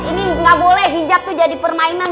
ini nggak boleh hijab tuh jadi permainan